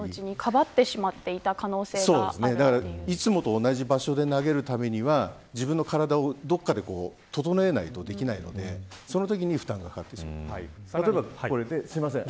知らず知らずのうちにかばってしまっていたいつもと同じ場所で投げるためには自分の体をどこかで整えないとできないのでそのときに負担がかかってしまうとか。